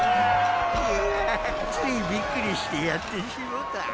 いやついびっくりしてやってしもうた。